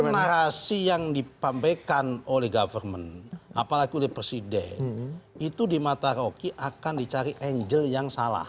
karena narasi yang dipambaikan oleh government apalagi oleh presiden itu di mata rocky akan dicari angel yang salah